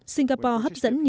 singapore hấp dẫn nhiều nhà nước